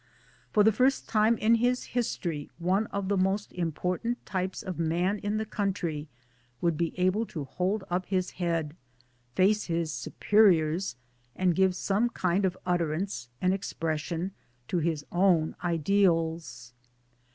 For the first time in his history one of the most important types of man in the country would be able to hold up his head, face his * superiors/ and give some kind of utter ance and expression to his own ideals.